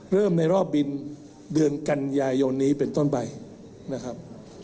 เริ่มในรอบบินเดือนกันยายนนี้เป็นต้นไปนะครับ